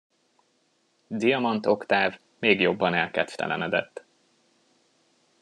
Diamant Oktáv még jobban elkedvetlenedett.